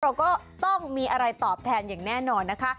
เราก็ต้องมีอะไรตอบแทนอย่างแน่นอนนะคะ